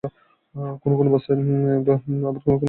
কোনো কোনো বস্তায় কম, আবার কোনো কোনো বস্তায় বেশি সার আছে।